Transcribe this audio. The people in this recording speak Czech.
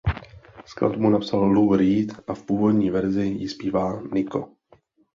Skladbu napsal Lou Reed a v původní verzi ji zpívá Nico.